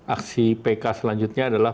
aksi pk selanjutnya adalah